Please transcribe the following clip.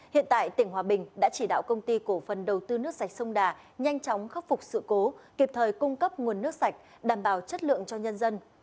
hiện tại tỉnh hòa bình đã chỉ đạo công ty cổ phần đầu tư nước sạch sông đà nhanh chóng khắc phục sự cố kịp thời cung cấp nguồn nước sạch đảm bảo chất lượng cho nhân dân